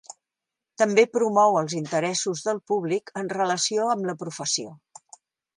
També promou els interessos del públic en relació amb la professió.